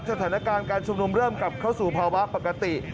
สถานการณ์การชุมนุมเริ่มกลับเข้าสู่ภาวะปกติ